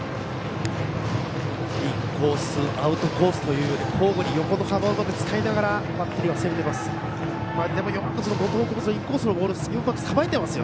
インコースアウトコースという交互に横の幅をうまく使いながらバッテリーを攻めています。